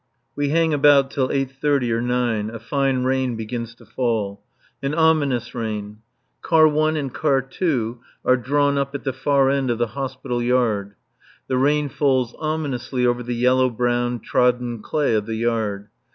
We hang about till eight thirty or nine. A fine rain begins to fall. An ominous rain. Car 1 and Car 2 are drawn up at the far end of the Hospital yard. The rain falls ominously over the yellow brown, trodden clay of the yard.